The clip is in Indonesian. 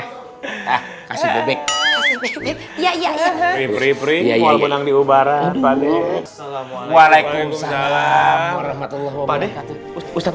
hai kasih bebek iya iya iya iya yang diubara pak waalaikumsalam warahmatullah wabarakatuh ustadz